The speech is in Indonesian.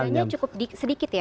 jitanya cukup sedikit ya